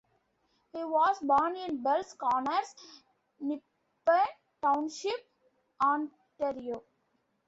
He was born in Bells Corners, Nepean Township, Ontario.